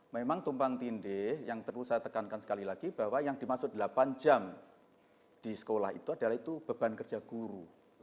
memang tumpang tindih yang perlu saya tekankan sekali lagi bahwa yang dimaksud delapan jam di sekolah itu adalah itu beban kerja guru